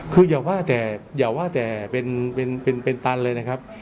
คืออย่าว่าแต่อย่าว่าแต่เป็นเป็นเป็นเป็นตันเลยนะครับ